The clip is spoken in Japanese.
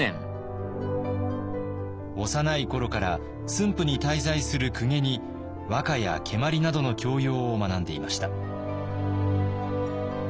幼い頃から駿府に滞在する公家に和歌や蹴鞠などの教養を学んでいました。